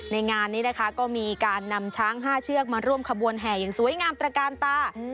งานนี้นะคะก็มีการนำช้าง๕เชือกมาร่วมขบวนแห่อย่างสวยงามตระกาลตา